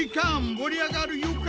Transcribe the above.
盛り上がる予感！」